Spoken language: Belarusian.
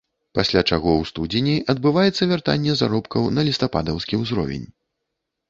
Пасля чаго ў студзені адбываецца вяртанне заробкаў на лістападаўскі ўзровень.